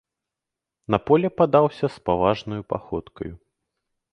На поле падаўся спаважнаю паходкаю.